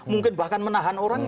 mungkin bahkan menahan orang